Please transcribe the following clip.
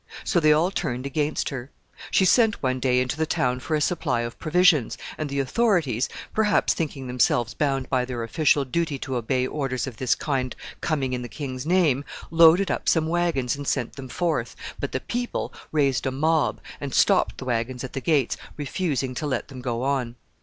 So they all turned against her. She sent one day into the town for a supply of provisions, and the authorities, perhaps thinking themselves bound by their official duty to obey orders of this kind coming in the king's name, loaded up some wagons and sent them forth, but the people raised a mob, and stopped the wagons at the gates, refusing to let them go on.